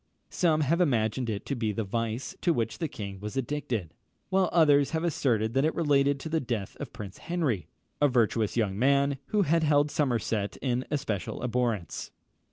Some have imagined it to be the vice to which the king was addicted; while others have asserted that it related to the death of Prince Henry, a virtuous young man, who had held Somerset in especial abhorrence.